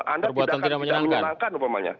anda tidak akan menyenangkan